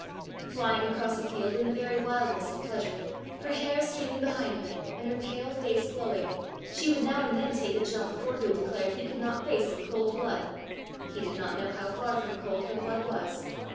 Flying across a field in the very wildness of pleasure, her hair streaming behind her, and her pale face glowing, she would now and then take a jump Forgue declared he could not face in cold blood: he did not know how far from cold her blood was!